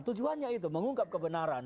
tujuannya itu mengungkap kebenaran